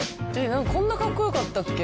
何かこんなかっこよかったっけ？